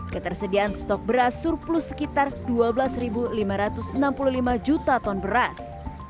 ketersediaan stok beras surplus sekitar dua belas lima ratus enam puluh lima juta ton beras